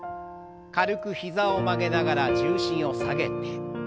軽く膝を曲げながら重心を下げて。